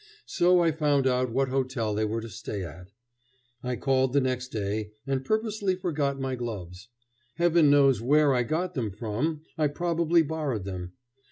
So I found out what hotel they were to stay at. I called the next day, and purposely forgot my gloves. Heaven knows where I got them from I probably borrowed them.